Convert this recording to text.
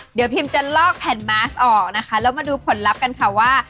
เดี๋ยวพิมจะลอกแผ่นมาสออกนะคะแล้วมาดูผลลัพธ์กันค่ะว่า